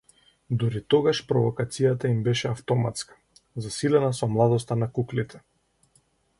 Дури тогаш провокацијата им беше автоматска, засилена со младоста на куклите.